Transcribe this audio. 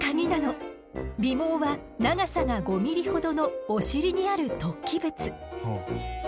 尾毛は長さが５ミリほどのお尻にある突起物。